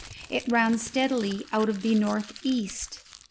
It ran steadily out of the north east.